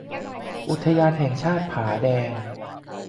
อุทยานแห่งชาติผาแดง